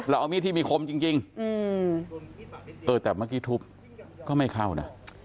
เอามีดที่มีคมจริงเออแต่เมื่อกี้ทุบก็ไม่เข้านะ